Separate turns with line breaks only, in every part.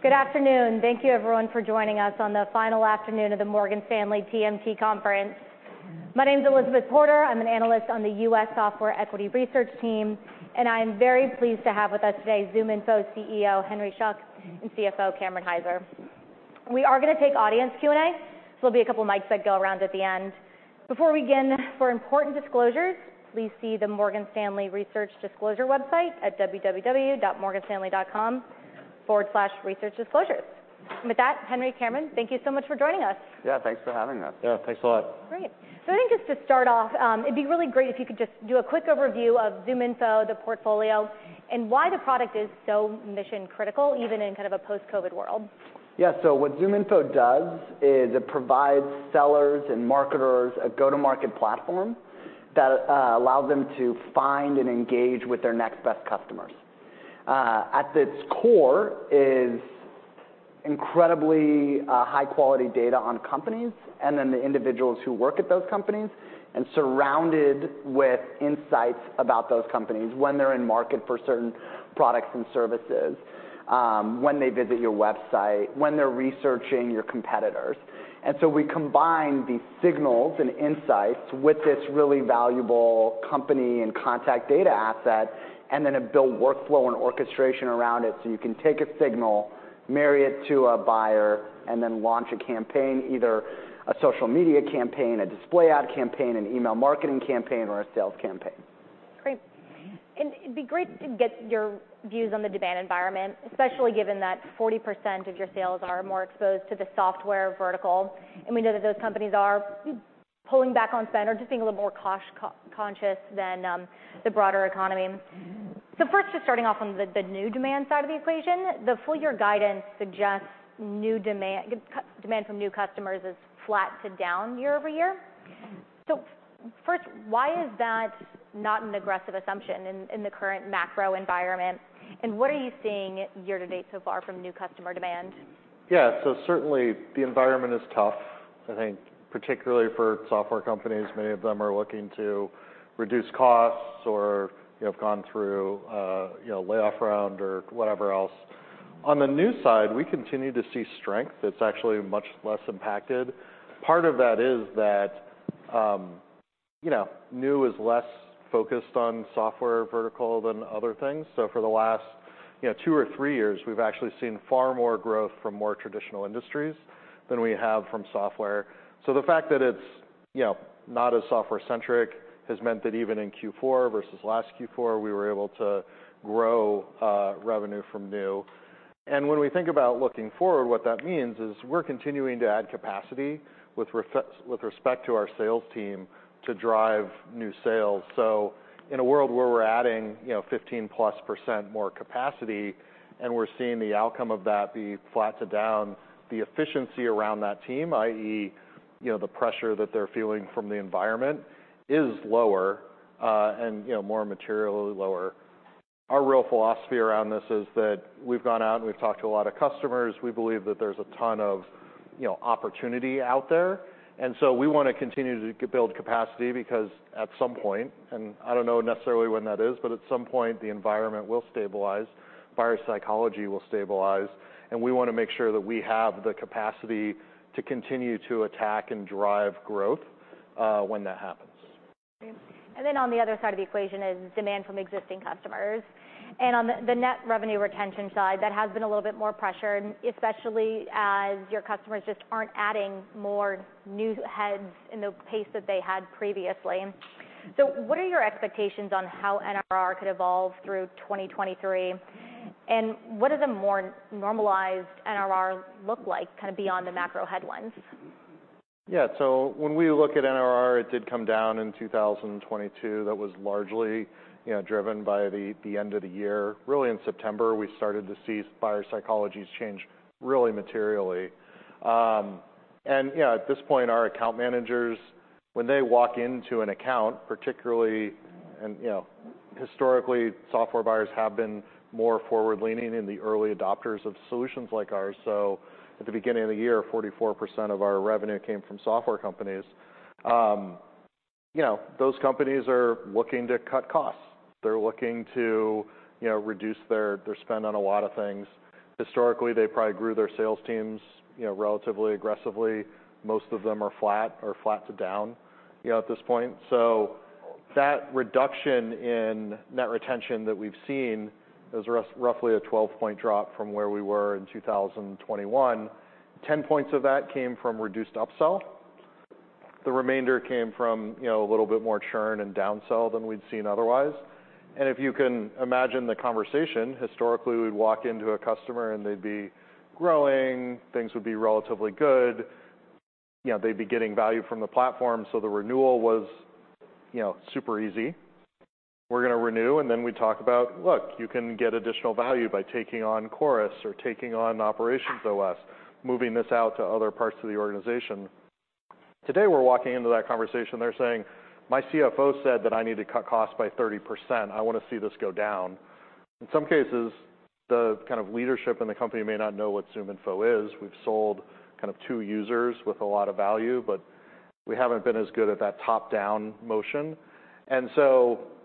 Good afternoon. Thank you everyone for joining us on the final afternoon of the Morgan Stanley TMT Conference. My name's Elizabeth Porter. I'm an analyst on the US Software Equity Research team, and I am very pleased to have with us today ZoomInfo CEO, Henry Schuck, and CFO, Graham O'Brien. We are gonna take audience Q&A, so there'll be a couple mics that go around at the end. Before we begin, for important disclosures, please see the Morgan Stanley Research Disclosure website at www.morganstanley.com/researchdisclosures. With that, Henry, Graham, thank you so much for joining us.
Yeah, thanks for having us.
Yeah, thanks a lot.
Great. I think just to start off, it'd be really great if you could just do a quick overview of ZoomInfo, the portfolio, and why the product is so mission-critical, even in kind of a post-COVID world.
Yeah. What ZoomInfo does is it provides sellers and marketers a go-to-market platform that allows them to find and engage with their next best customers. At its core is incredibly high quality data on companies, and then the individuals who work at those companies, and surrounded with insights about those companies when they're in market for certain products and services, when they visit your website, when they're researching your competitors. We combine these signals and insights with this really valuable company and contact data asset, and then build workflow and orchestration around it, so you can take a signal, marry it to a buyer, and then launch a campaign, either a social media campaign, a display ad campaign, an email marketing campaign, or a sales campaign.
Great. It'd be great to get your views on the demand environment, especially given that 40% of your sales are more exposed to the software vertical, and we know that those companies are pulling back on spend or just being a little more cost-conscious than the broader economy. First, just starting off on the new demand side of the equation, the full year guidance suggests new demand from new customers is flat to down year-over-year. First, why is that not an aggressive assumption in the current macro environment, and what are you seeing year to date so far from new customer demand?
Yeah. Certainly the environment is tough. I think particularly for software companies, many of them are looking to reduce costs or, you know, have gone through, you know, layoff round or whatever else. On the new side, we continue to see strength. It's actually much less impacted. Part of that is that, you know, new is less focused on software vertical than other things. For the last, you know, two or three years, we've actually seen far more growth from more traditional industries than we have from software. The fact that it's, you know, not as software-centric has meant that even in Q4 versus last Q4, we were able to grow revenue from new. When we think about looking forward, what that means is we're continuing to add capacity with respect to our sales team to drive new sales. In a world where we're adding, you know, 15%+ more capacity, and we're seeing the outcome of that be flat to down, the efficiency around that team, i.e., you know, the pressure that they're feeling from the environment is lower, and, you know, more materially lower. Our real philosophy around this is that we've gone out and we've talked to a lot of customers. We believe that there's a ton of, you know, opportunity out there. We wanna continue to build capacity because at some point, and I don't know necessarily when that is, but at some point the environment will stabilize, buyer psychology will stabilize, and we wanna make sure that we have the capacity to continue to attack and drive growth when that happens.
On the other side of the equation is demand from existing customers. On the net revenue retention side, that has been a little bit more pressured, especially as your customers just aren't adding more new heads in the pace that they had previously. What are your expectations on how NRR could evolve through 2023? What does a more normalized NRR look like, kind of beyond the macro headlines?
Yeah. When we look at NRR, it did come down in 2022. That was largely, you know, driven by the end of the year. Really in September, we started to see buyer psychologies change really materially. You know, at this point, our account managers, when they walk into an account, particularly, and, you know, historically, software buyers have been more forward-leaning and the early adopters of solutions like ours. At the beginning of the year, 44% of our revenue came from software companies. You know, those companies are looking to cut costs. They're looking to, you know, reduce their spend on a lot of things. Historically, they probably grew their sales teams, you know, relatively aggressively. Most of them are flat or flat to down, you know, at this point. That reduction in net retention that we've seen is roughly a 12-point drop from where we were in 2021. 10 points of that came from reduced upsell. The remainder came from, you know, a little bit more churn and down sell than we'd seen otherwise. If you can imagine the conversation, historically, we'd walk into a customer and they'd be growing, things would be relatively good. You know, they'd be getting value from the platform, so the renewal was, you know, super easy. We're gonna renew, and then we talk about, "Look, you can get additional value by taking on Chorus or taking on OperationsOS, moving this out to other parts of the organization." Today, we're walking into that conversation, they're saying, "My CFO said that I need to cut costs by 30%. I wanna see this go down." In some cases, the kind of leadership in the company may not know what ZoomInfo is. We've sold kind of to users with a lot of value.
We haven't been as good at that top-down motion.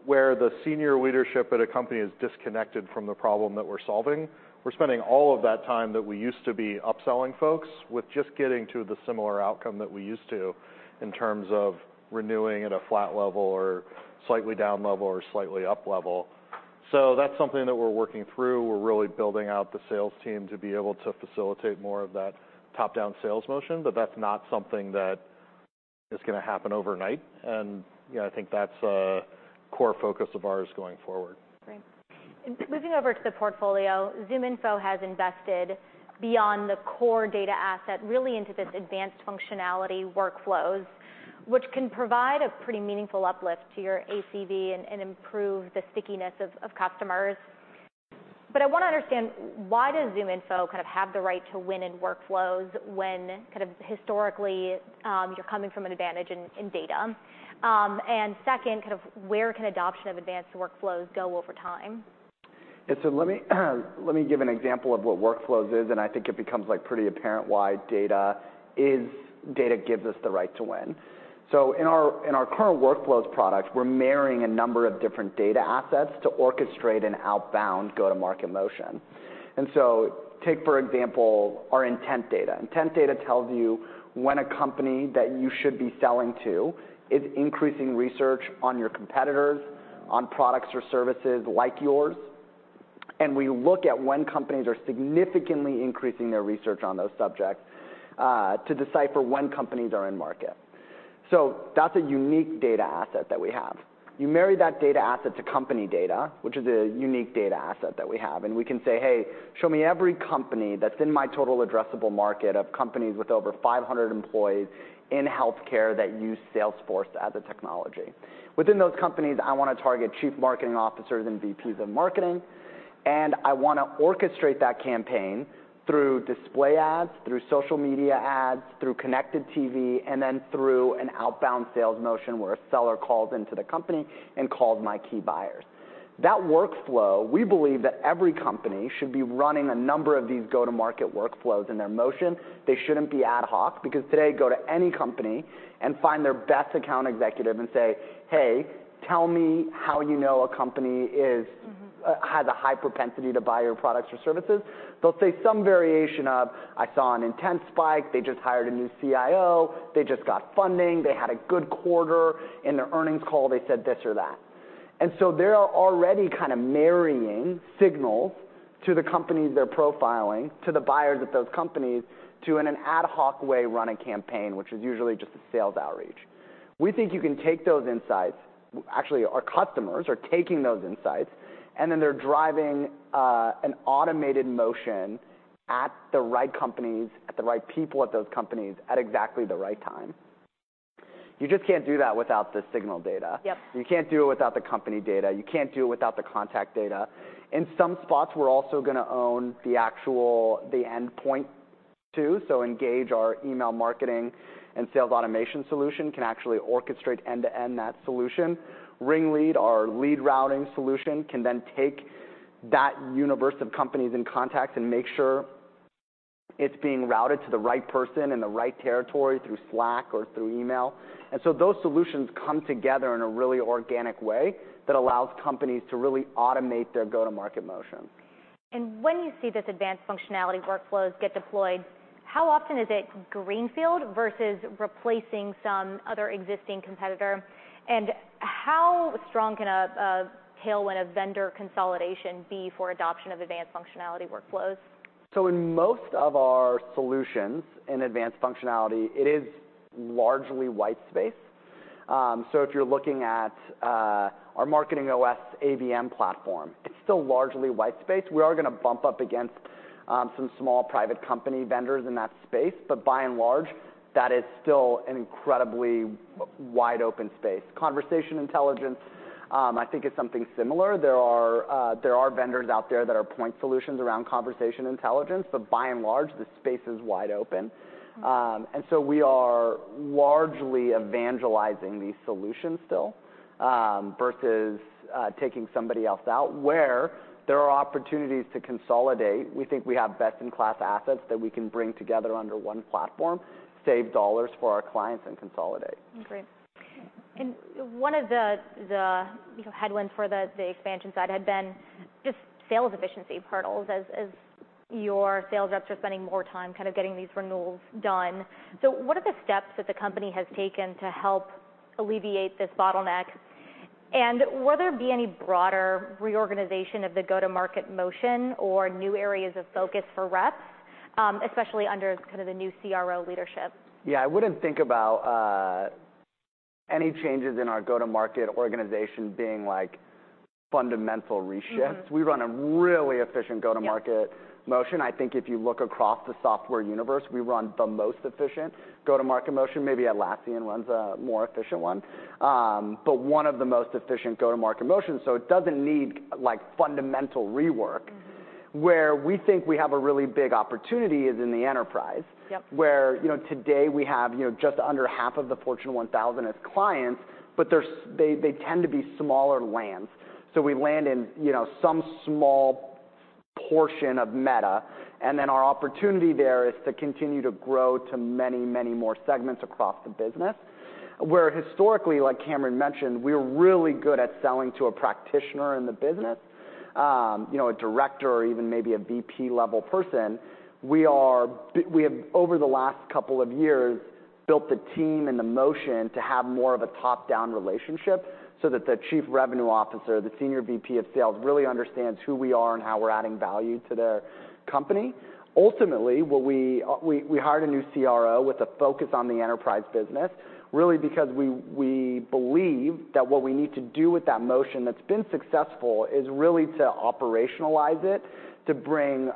Where the senior leadership at a company is disconnected from the problem that we're solving, we're spending all of that time that we used to be upselling folks with just getting to the similar outcome that we used to in terms of renewing at a flat level or slightly down level or slightly up level. That's something that we're working through. We're really building out the sales team to be able to facilitate more of that top-down sales motion, but that's not something that is gonna happen overnight. you know, I think that's a core focus of ours going forward.
Great. Moving over to the portfolio, ZoomInfo has invested beyond the core data asset really into this advanced functionality workflows, which can provide a pretty meaningful uplift to your ACV and improve the stickiness of customers. I wanna understand, why does ZoomInfo kind of have the right to win in workflows when kind of historically, you're coming from an advantage in data? Second, kind of where can adoption of advanced workflows go over time?
Yeah. Let me give an example of what workflows is, and I think it becomes, like, pretty apparent why data gives us the right to win. In our current workflows product, we're marrying a number of different data assets to orchestrate an outbound go-to-market motion. Take, for example, our intent data. Intent data tells you when a company that you should be selling to is increasing research on your competitors, on products or services like yours. We look at when companies are significantly increasing their research on those subjects to decipher when companies are in market. That's a unique data asset that we have. You marry that data asset to company data, which is a unique data asset that we have, and we can say, "Hey, show me every company that's in my total addressable market of companies with over 500 employees in healthcare that use Salesforce as a technology." Within those companies, I wanna target chief marketing officers and VPs of marketing, and I wanna orchestrate that campaign through display ads, through social media ads, through connected TV, and then through an outbound sales motion where a seller calls into the company and calls my key buyers. That workflow, we believe that every company should be running a number of these go-to-market workflows in their motion. They shouldn't be ad hoc because today, go to any company and find their best account executive and say, "Hey, tell me how you know a company.
Mm-hmm...
has a high propensity to buy your products or services." They'll say some variation of, "I saw an intent spike. They just hired a new CIO. They just got funding. They had a good quarter. In their earnings call, they said this or that." They're already kind of marrying signals to the companies they're profiling, to the buyers at those companies to, in an ad hoc way, run a campaign, which is usually just a sales outreach. We think you can take those insights. Actually, our customers are taking those insights, and then they're driving an automated motion at the right companies, at the right people at those companies at exactly the right time. You just can't do that without the signal data.
Yep.
You can't do it without the company data. You can't do it without the contact data. In some spots, we're also gonna own the actual the endpoint too. Engage, our email marketing and sales automation solution, can actually orchestrate end-to-end that solution. RingLead, our lead routing solution, can then take that universe of companies and contacts and make sure it's being routed to the right person in the right territory through Slack or through email. Those solutions come together in a really organic way that allows companies to really automate their go-to-market motion.
When you see this advanced functionality workflows get deployed, how often is it greenfield versus replacing some other existing competitor? How strong can a tailwind of vendor consolidation be for adoption of advanced functionality workflows?
In most of our solutions in advanced functionality, it is largely white space. If you're looking at our MarketingOS ABM platform, it's still largely white space. We are gonna bump up against some small private company vendors in that space, but by and large, that is still an incredibly wide open space. Conversation intelligence, I think is something similar. There are vendors out there that are point solutions around conversation intelligence, but by and large, the space is wide open. We are largely evangelizing these solutions still versus taking somebody else out. Where there are opportunities to consolidate, we think we have best-in-class assets that we can bring together under one platform, save dollars for our clients, and consolidate.
Great. One of the, you know, headwinds for the expansion side had been just sales efficiency hurdles as your sales reps are spending more time kind of getting these renewals done. What are the steps that the company has taken to help alleviate this bottleneck? Will there be any broader reorganization of the go-to-market motion or new areas of focus for reps, especially under kind of the new CRO leadership?
Yeah. I wouldn't think about any changes in our go-to-market organization being like fundamental reshift.
Mm-hmm.
We run a really efficient go-to-market.
Yeah
motion. I think if you look across the software universe, we run the most efficient go-to-market motion. Maybe Atlassian runs a more efficient one. One of the most efficient go-to-market motion, so it doesn't need, like, fundamental rework.
Mm-hmm.
Where we think we have a really big opportunity is in the enterprise.
Yep
where, you know, today, we have, you know, just under half of the Fortune 1000 as clients, but they tend to be smaller lands. We land in, you know, some small portion of Meta, and then our opportunity there is to continue to grow to many, many more segments across the business. Where historically, like Graham mentioned, we're really good at selling to a practitioner in the business, you know, a director or even maybe a VP-level person. We have over the last couple of years built the team and the motion to have more of a top-down relationship so that the chief revenue officer, the senior VP of sales, really understands who we are and how we're adding value to their company. Ultimately, what we hired a new CRO with a focus on the enterprise business, really because we believe that what we need to do with that motion that's been successful is really to operationalize it, to bring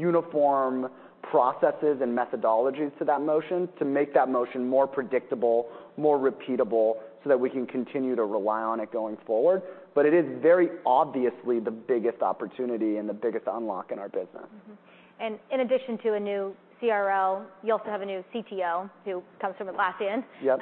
uniform processes and methodologies to that motion, to make that motion more predictable, more repeatable, so that we can continue to rely on it going forward. It is very obviously the biggest opportunity and the biggest unlock in our business.
Mm-hmm. In addition to a new CRO, you also have a new CTO who comes from Atlassian.
Yep.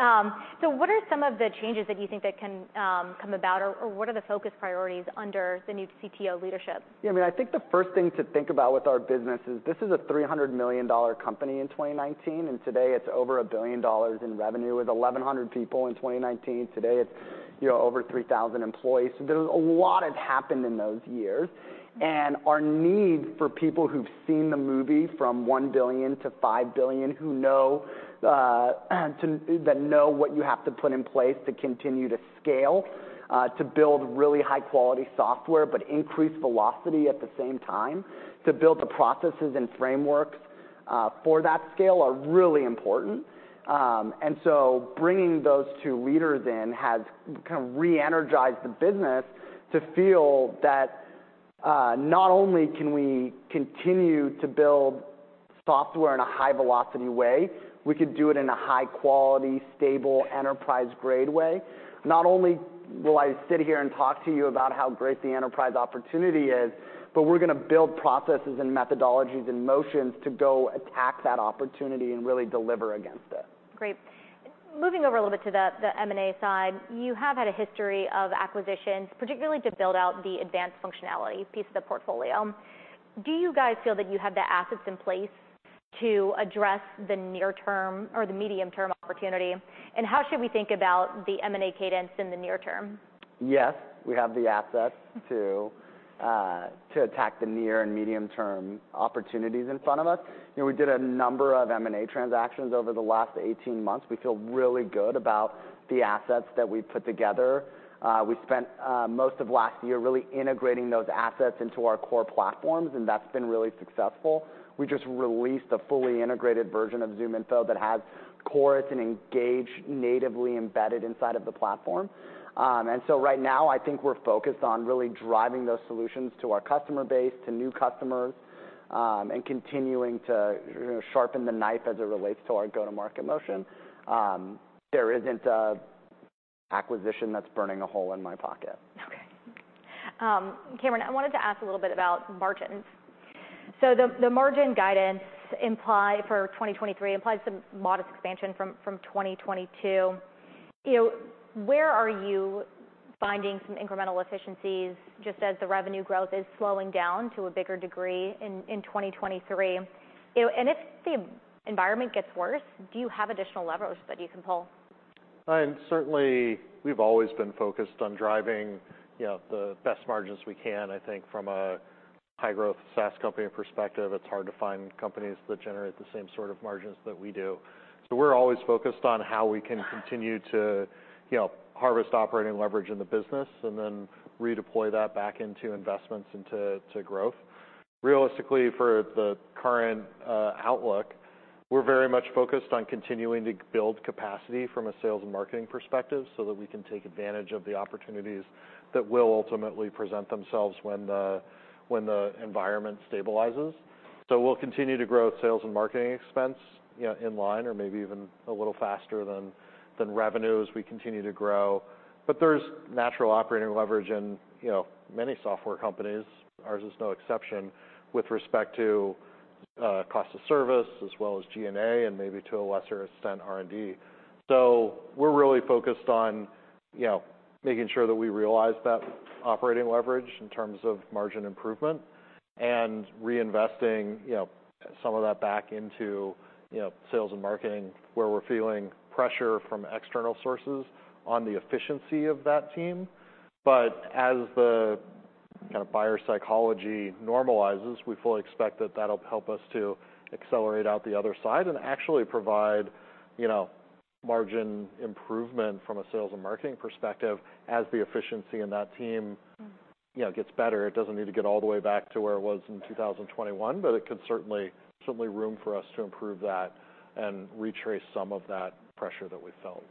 What are some of the changes that you think that can come about or what are the focus priorities under the new CTO leadership?
Yeah, I mean, I think the first thing to think about with our business is this is a $300 million company in 2019. Today it's over $1 billion in revenue. With 1,100 people in 2019, today it's, you know, over 3,000 employees. There's a lot has happened in those years. Our need for people who've seen the movie from $1 billion-$5 billion, who know to know what you have to put in place to continue to scale, to build really high-quality software, but increase velocity at the same time, to build the processes and frameworks for that scale are really important. Bringing those two leaders in has kind of re-energized the business to feel that, not only can we continue to build software in a high-velocity way, we could do it in a high-quality, stable enterprise-grade way. Not only will I sit here and talk to you about how great the enterprise opportunity is, but we're gonna build processes and methodologies and motions to go attack that opportunity and really deliver against it.
Great. Moving over a little bit to the M&A side, you have had a history of acquisitions, particularly to build out the advanced functionality piece of the portfolio. Do you guys feel that you have the assets in place to address the near term or the medium-term opportunity? How should we think about the M&A cadence in the near term?
Yes, we have the assets to to attack the near and medium-term opportunities in front of us. You know, we did a number of M&A transactions over the last 18 months. We feel really good about the assets that we put together. We spent most of last year really integrating those assets into our core platforms, and that's been really successful. We just released a fully integrated version of ZoomInfo that has Chorus and Engage natively embedded inside of the platform. Right now, I think we're focused on really driving those solutions to our customer base, to new customers, and continuing to, you know, sharpen the knife as it relates to our go-to-market motion. There isn't a acquisition that's burning a hole in my pocket.
Okay. Graham, I wanted to ask a little bit about margins. The margin guidance imply for 2023 implies some modest expansion from 2022. You know, where are you finding some incremental efficiencies, just as the revenue growth is slowing down to a bigger degree in 2023? You know, if the environment gets worse, do you have additional levers that you can pull?
I mean, certainly, we've always been focused on driving, you know, the best margins we can. I think from a high-growth SaaS company perspective, it's hard to find companies that generate the same sort of margins that we do. We're always focused on how we can continue to, you know, harvest operating leverage in the business and then redeploy that back into investments into growth. Realistically, for the current outlook, we're very much focused on continuing to build capacity from a sales and marketing perspective so that we can take advantage of the opportunities that will ultimately present themselves when the environment stabilizes. We'll continue to grow sales and marketing expense, you know, in line or maybe even a little faster than revenue as we continue to grow. There's natural operating leverage in, you know, many software companies, ours is no exception, with respect to cost of service as well as G&A and maybe to a lesser extent R&D. We're really focused on, you know, making sure that we realize that operating leverage in terms of margin improvement and reinvesting, you know, some of that back into, you know, sales and marketing, where we're feeling pressure from external sources on the efficiency of that team. As the kind of buyer psychology normalizes, we fully expect that that'll help us to accelerate out the other side and actually provide, you know, margin improvement from a sales and marketing perspective as the efficiency in that team.
Mm-hmm...
you know, gets better. It doesn't need to get all the way back to where it was in 2021, but it could certainly room for us to improve that and retrace some of that pressure that we felt.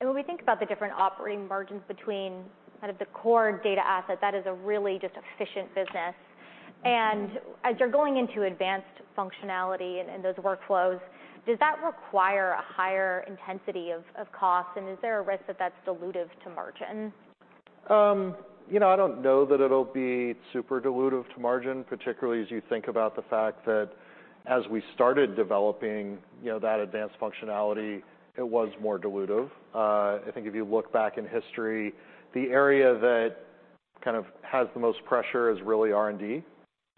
When we think about the different operating margins between kind of the core data asset, that is a really just efficient business. As you're going into advanced functionality and those workflows, does that require a higher intensity of costs, and is there a risk that that's dilutive to margin?
You know, I don't know that it'll be super dilutive to margin, particularly as you think about the fact that as we started developing, you know, that advanced functionality, it was more dilutive. I think if you look back in history, the area that.
Kind of has the most pressure is really R&D.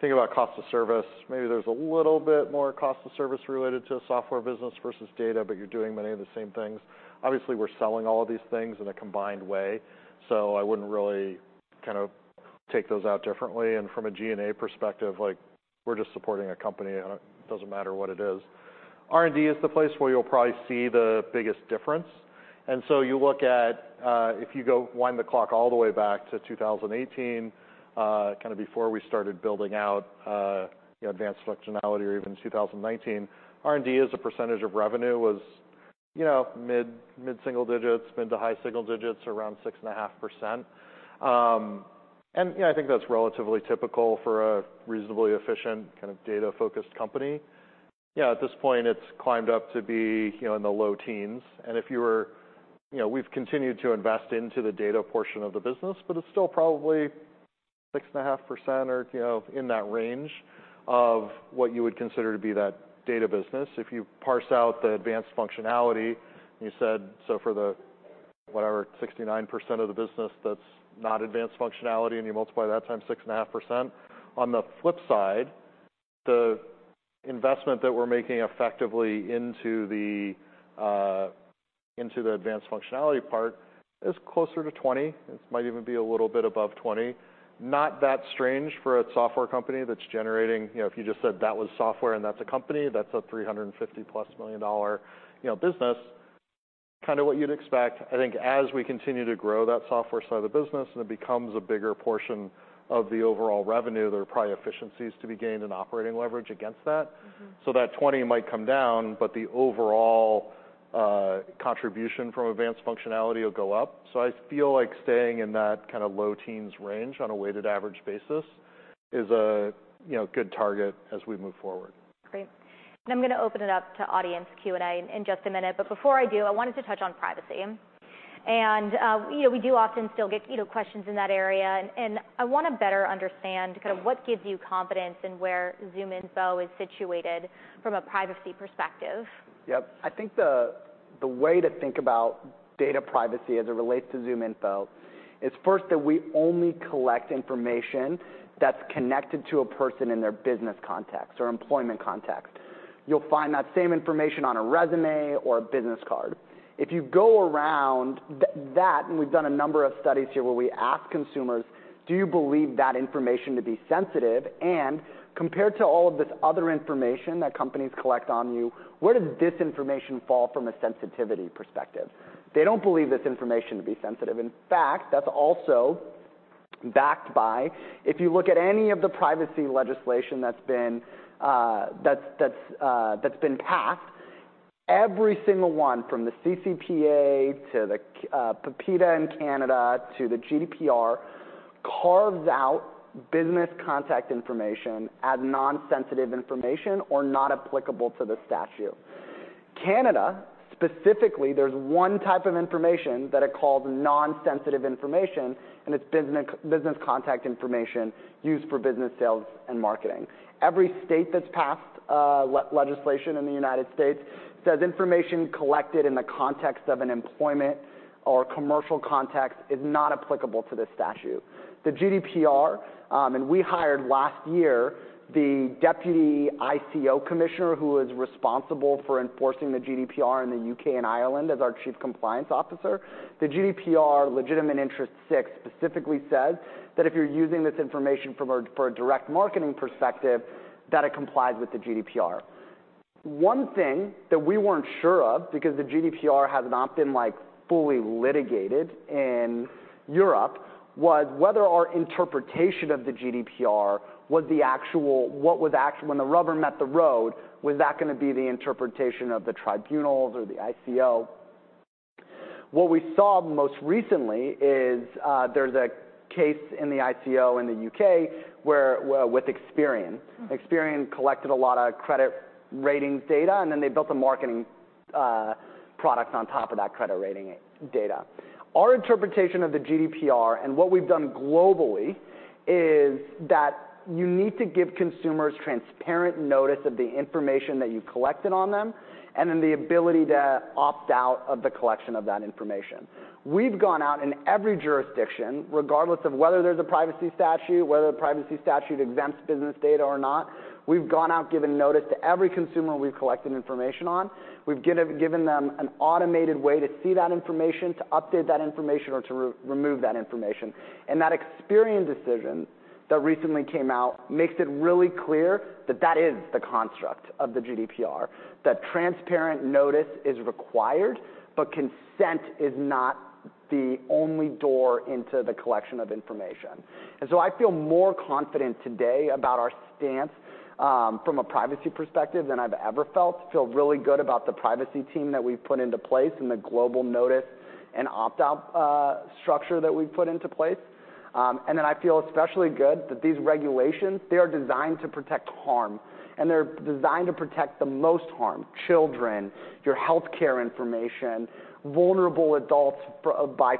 Think about cost of service. Maybe there's a little bit more cost of service related to a software business versus data, but you're doing many of the same things. Obviously, we're selling all of these things in a combined way, so I wouldn't really kind of take those out differently. From a G&A perspective, like, we're just supporting a company. It doesn't matter what it is. R&D is the place where you'll probably see the biggest difference. You look at, if you go wind the clock all the way back to 2018, kind of before we started building out, you know, advanced functionality or even 2019, R&D as a percentage of revenue was, you know, mid-single digits, mid- to high-single digits, around 6.5%. You know, I think that's relatively typical for a reasonably efficient kind of data-focused company. Yeah, at this point, it's climbed up to be, you know, in the low teens. You know, we've continued to invest into the data portion of the business, but it's still probably 6.5% or, you know, in that range of what you would consider to be that data business. If you parse out the advanced functionality, you said, for the, whatever, 69% of the business that's not advanced functionality, you multiply that times 6.5%. On the flip side, the investment that we're making effectively into the advanced functionality part is closer to 20. It might even be a little bit above 20. Not that strange for a software company that's generating, you know, if you just said that was software and that's a company, that's a $350+ million, you know, business. Kinda what you'd expect. I think as we continue to grow that software side of the business and it becomes a bigger portion of the overall revenue, there are probably efficiencies to be gained in operating leverage against that.
Mm-hmm.
That 20% might come down, but the overall contribution from advanced functionality will go up. I feel like staying in that kinda low teens range on a weighted average basis is a, you know, good target as we move forward.
Great. I'm gonna open it up to audience Q&A in just a minute. Before I do, I wanted to touch on privacy. you know, we do often still get, you know, questions in that area, and I wanna better understand kind of what gives you confidence in where ZoomInfo is situated from a privacy perspective.
Yep. I think the way to think about data privacy as it relates to ZoomInfo is first that we only collect information that's connected to a person in their business context or employment context. You'll find that same information on a resume or a business card. If you go around that, we've done a number of studies here where we ask consumers, "Do you believe that information to be sensitive? Compared to all of this other information that companies collect on you, where does this information fall from a sensitivity perspective?" They don't believe this information to be sensitive. In fact, that's also backed by, if you look at any of the privacy legislation that's been passed, every single one from the CCPA to the PIPEDA in Canada to the GDPR carves out business contact information as non-sensitive information or not applicable to the statute. Canada, specifically, there's one type of information that it calls non-sensitive information, and it's business contact information used for business sales and marketing. Every state that's passed legislation in the United States says information collected in the context of an employment or commercial context is not applicable to this statute. The GDPR, and we hired last year the Deputy ICO Commissioner, who is responsible for enforcing the GDPR in the UK and Ireland as our chief compliance officer. The GDPR Legitimate Interest 6 specifically says that if you're using this information from a, for a direct marketing perspective, that it complies with the GDPR. One thing that we weren't sure of, because the GDPR has not been, like, fully litigated in Europe, was whether our interpretation of the GDPR was the actual when the rubber met the road, was that gonna be the interpretation of the tribunals or the ICO? What we saw most recently is, there's a case in the ICO in the UK where, well, with Experian.
Mm.
Experian collected a lot of credit ratings data. Then they built a marketing product on top of that credit rating data. Our interpretation of the GDPR and what we've done globally is that you need to give consumers transparent notice of the information that you've collected on them and then the ability to opt out of the collection of that information. We've gone out in every jurisdiction, regardless of whether there's a privacy statute, whether the privacy statute exempts business data or not. We've gone out, given notice to every consumer we've collected information on. We've given them an automated way to see that information, to update that information, or to re-remove that information. That Experian decision that recently came out makes it really clear that that is the construct of the GDPR, that transparent notice is required, consent is not the only door into the collection of information. So I feel more confident today about our stance from a privacy perspective than I've ever felt. Feel really good about the privacy team that we've put into place and the global notice and opt-out structure that we've put into place. I feel especially good that these regulations, they are designed to protect harm, and they're designed to protect the most harm, children, your healthcare information, vulnerable adults for by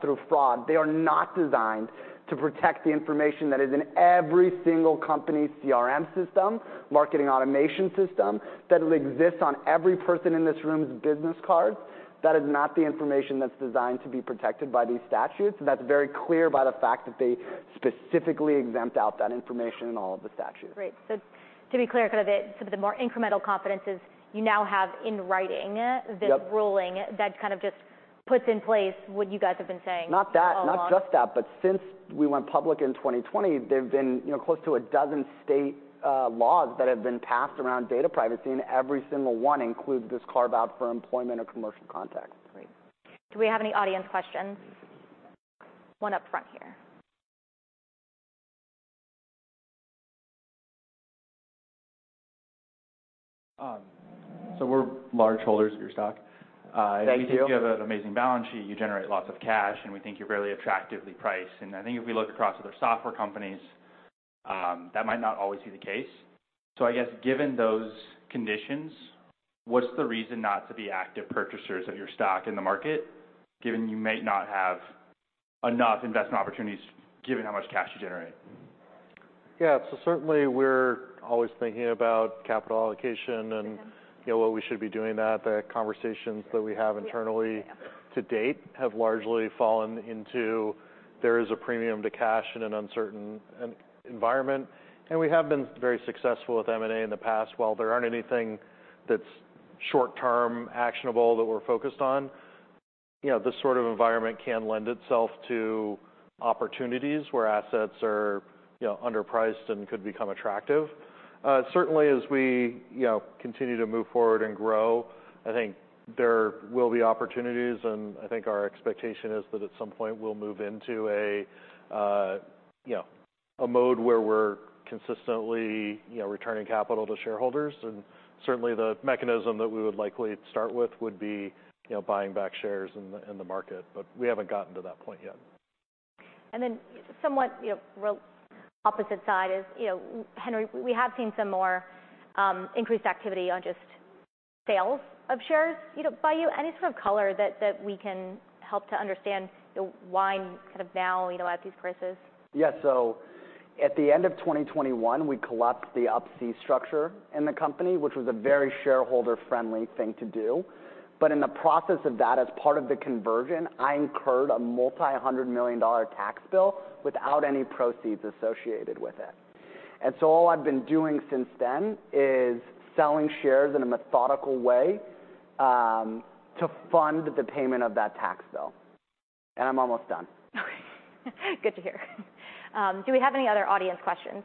through fraud. They are not designed to protect the information that is in every single company's CRM system, marketing automation system, that'll exist on every person in this room's business card. That is not the information that's designed to be protected by these statutes. That's very clear by the fact that they specifically exempt out that information in all of the statutes.
Great. To be clear, kind of the, some of the more incremental confidences you now have in?
Yep...
this ruling that kind of puts in place what you guys have been saying all along.
Not that, not just that, but since we went public in 2020, there have been, you know, close to 12 state, laws that have been passed around data privacy, and every single one includes this carve-out for employment or commercial contacts.
Great. Do we have any audience questions? One up front here.
We're large holders of your stock.
Thank you.
We think you have an amazing balance sheet. You generate lots of cash, and we think you're fairly attractively priced. I think if we look across other software companies, that might not always be the case. I guess, given those conditions, what's the reason not to be active purchasers of your stock in the market, given you might not have enough investment opportunities given how much cash you generate?
Certainly we're always thinking about capital allocation and, you know, what we should be doing that. The conversations that we have internally to date have largely fallen into there is a premium to cash in an uncertain environment. We have been very successful with M&A in the past. While there aren't anything that's short term actionable that we're focused on, you know, this sort of environment can lend itself to opportunities where assets are, you know, underpriced and could become attractive. Certainly as we, you know, continue to move forward and grow, I think there will be opportunities, and I think our expectation is that at some point we'll move into a, you know, a mode where we're consistently, you know, returning capital to shareholders. Certainly the mechanism that we would likely start with would be, you know, buying back shares in the, in the market. We haven't gotten to that point yet.
somewhat, you know, real opposite side is, you know, Henry, we have seen some more increased activity on just sales of shares, you know, by you. Any sort of color that we can help to understand, you know, why kind of now, you know, at these prices?
Yeah. At the end of 2021, we collapsed the Up-C structure in the company, which was a very shareholder-friendly thing to do. In the process of that, as part of the conversion, I incurred a multi-hundred million dollar tax bill without any proceeds associated with it. All I've been doing since then is selling shares in a methodical way, to fund the payment of that tax bill. I'm almost done.
Good to hear. Do we have any other audience questions?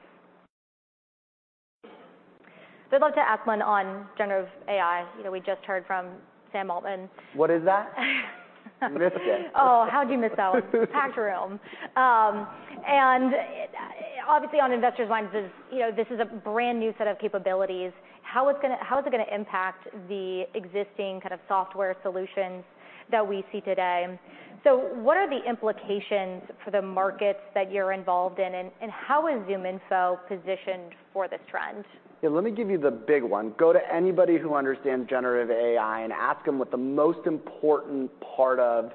I'd love to ask one on generative AI. You know, we just heard from Sam Altman.
What is that? You missed it.
Oh, how'd you miss out? Packed room. Obviously on investors' minds is, you know, this is a brand-new set of capabilities. How is it gonna impact the existing kind of software solutions that we see today? What are the implications for the markets that you're involved in, and how is ZoomInfo positioned for this trend?
Yeah, let me give you the big one. Go to anybody who understands generative AI and ask them what the most important part of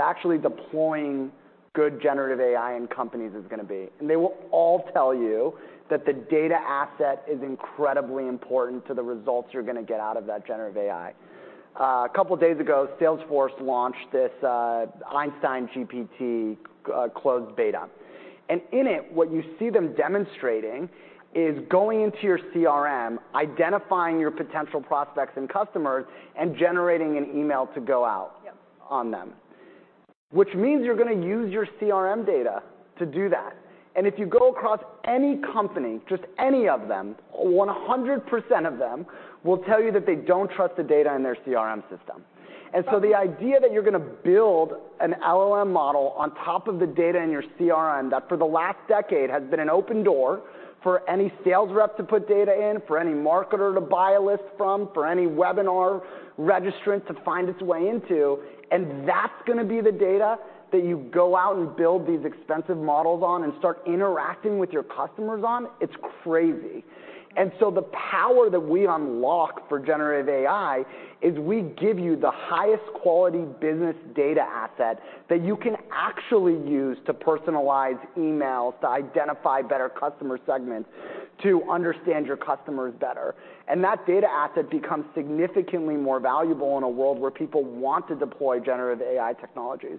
actually deploying good generative AI in companies is gonna be. They will all tell you that the data asset is incredibly important to the results you're gonna get out of that generative AI. A couple days ago, Salesforce launched this Einstein GPT closed beta. In it, what you see them demonstrating is going into your CRM, identifying your potential prospects and customers, and generating an email to go out-
Yep.
on them. Which means you're gonna use your CRM data to do that. If you go across any company, just any of them, 100% of them will tell you that they don't trust the data in their CRM system. The idea that you're gonna build an LLM model on top of the data in your CRM, that for the last decade has been an open door for any sales rep to put data in, for any marketer to buy a list from, for any webinar registrant to find its way into, and that's gonna be the data that you go out and build these expensive models on and start interacting with your customers on, it's crazy. The power that we unlock for generative AI is we give you the highest quality business data asset that you can actually use to personalize emails, to identify better customer segments, to understand your customers better. That data asset becomes significantly more valuable in a world where people want to deploy generative AI technologies.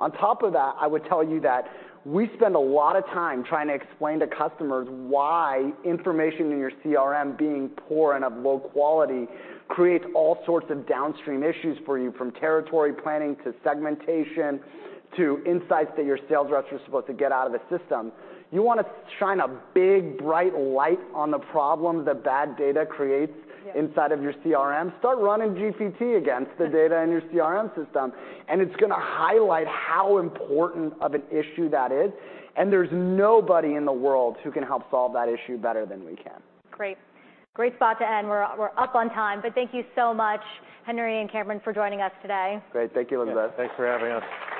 On top of that, I would tell you that we spend a lot of time trying to explain to customers why information in your CRM being poor and of low quality creates all sorts of downstream issues for you, from territory planning, to segmentation, to insights that your sales reps are supposed to get out of the system. You wanna shine a big, bright light on the problems that bad data creates.
Yeah.
-inside of your CRM. Start running GPT against the data in your CRM system. It's gonna highlight how important of an issue that is. There's nobody in the world who can help solve that issue better than we can.
Great. Great spot to end. We're up on time. Thank you so much, Henry and Graham, for joining us today.
Great. Thank you, Elizabeth.
Yeah. Thanks for having us.